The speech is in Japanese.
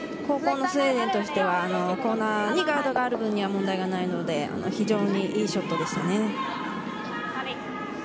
後攻のスウェーデンとしてはコーナーにガードがある分には問題ないので非常に良いショットでした。